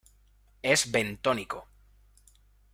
Es bentónico.